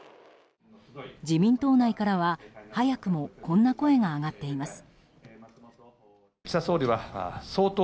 自民党内からは、早くもこんな声が上がっています。